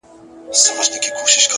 هوښیار انتخاب د سبا ستونزې کموي!.